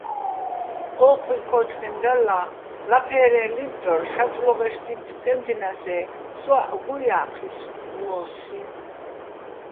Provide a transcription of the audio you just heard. ო́ჴუჲ ქო́თმენდალლა ლაფე́რეჼ ლიტტორ შაწლოღეშ დითთ-წემდინასე́ სოაჸ გუჲა́ჴისო̆ მო́სსიჼ.